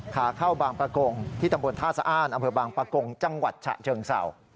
ขาเข้าบางประกงที่ตำบลท่าสะอ้านอำเภอบางปะกงจังหวัดฉะเชิงเศร้า